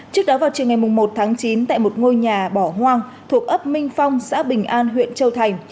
trước đó vào chiều ngày một tháng chín tại một ngôi nhà bỏ hoang thuộc ấp minh phong xã bình an huyện châu thành